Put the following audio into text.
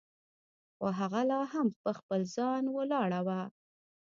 خو هغه لا هم پر خپل ځای ولاړه وه.